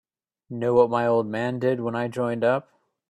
Know what my old man did when I joined up?